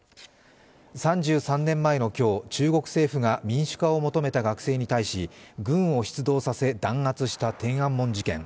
３３年前の今日、中国政府が民主化を求めた学生に対し軍を出動させ弾圧した天安門事件。